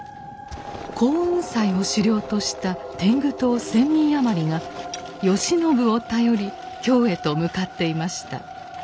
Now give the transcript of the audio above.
耕雲斎を首領とした天狗党１，０００人余りが慶喜を頼り京へと向かっていました。